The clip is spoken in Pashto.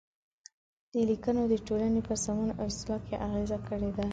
دې لیکنو د ټولنې په سمون او اصلاح کې اغیزه کړې ده.